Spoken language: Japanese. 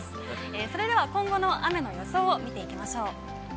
それでは今後の雨の予想を見ていきましょう。